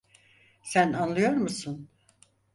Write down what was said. Sen anlıyor musun?